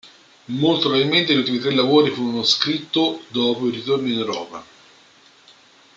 Molto probabilmente gli ultimi tre lavori furono scritto dopo il ritorno in Europa.